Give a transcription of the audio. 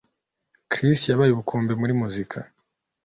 Chris yabaye ubukombe muri muzika